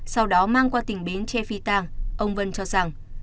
sau đó mang qua tỉnh bến che phi tang ông vân cho rằng